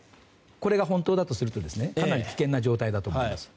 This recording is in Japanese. これが本当だとするとかなり危険な状態だと思います。